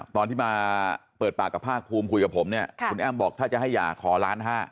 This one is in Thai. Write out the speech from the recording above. ตอนที่มาเปิดปากกับภาคภูมิคุยกับผมเนี่ยคุณแอ้มบอกถ้าจะให้หย่าขอล้านห้า